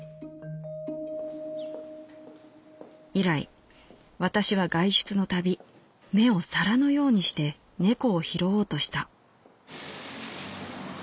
「以来私は外出のたび目を皿のようにして猫を拾おうとした」。